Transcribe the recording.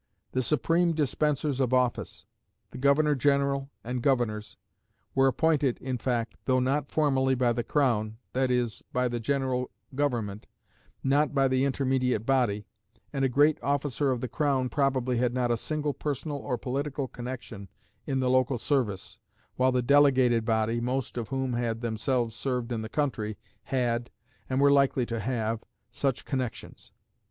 The supreme dispensers of office the governor general and governors were appointed, in fact though not formally, by the crown, that is, by the general government, not by the intermediate body, and a great officer of the crown probably had not a single personal or political connection in the local service, while the delegated body, most of whom had themselves served in the country, had, and were likely to have, such connections.